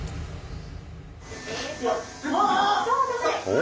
お！